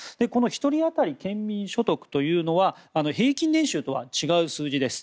１人当たり県民所得というのは平均年収とは違う数字です。